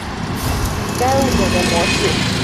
该物种的模式产地在印度特兰克巴尔。